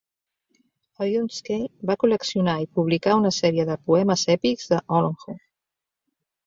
Oyunsky va col·leccionar i publicar una sèrie de poemes èpics d'Olonkho.